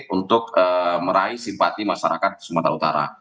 untuk meraih simpati masyarakat sumatera utara